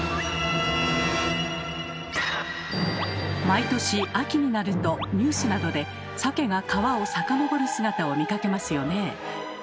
毎年秋になるとニュースなどでサケが川を遡る姿を見かけますよね。